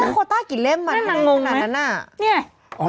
แล้วเขาได้โคตรต้ากี่เล่มใหม่ค่ะนั่นมันงงไหมขนาดนั้นอ่ะ